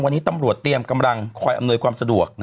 วันนี้ตำรวจเตรียมกำลังคอยอำนวยความสะดวก